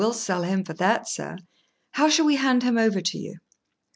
] "Oh, we'll sell him for that, sir. How shall we hand him over to you?"